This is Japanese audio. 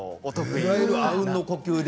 いわゆる、あうんの呼吸で。